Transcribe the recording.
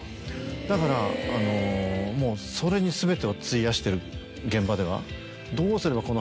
だからもうそれに全てを費やしてる現場では。